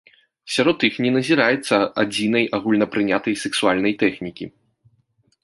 Сярод іх не назіраецца адзінай агульнапрынятай сексуальнай тэхнікі.